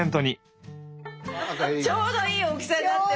ちょうどいい大きさになってる。